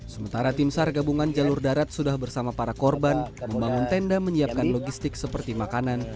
sementara tim sar gabungan jalur darat sudah bersama para korban membangun tenda menyiapkan logistik seperti makanan